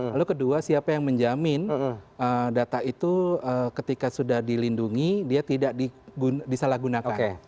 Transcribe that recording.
lalu kedua siapa yang menjamin data itu ketika sudah dilindungi dia tidak disalahgunakan